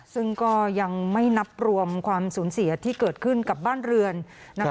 ซึ่งก็ยังไม่นับรวมความสูญเสียที่เกิดขึ้นกับบ้านเรือนนะคะ